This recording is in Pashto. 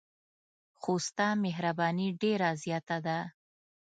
خو ستا مهرباني ډېره زیاته ده.